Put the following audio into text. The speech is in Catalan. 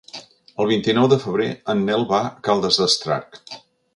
El vint-i-nou de febrer en Nel va a Caldes d'Estrac.